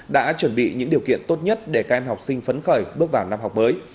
đã chuẩn bị những điều kiện tốt nhất để các em học sinh phấn khởi bước vào năm học mới